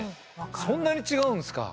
そんなに違うんですか。